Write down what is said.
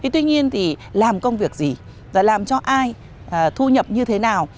tuy nhiên làm công việc gì làm cho ai thu nhập như thế nào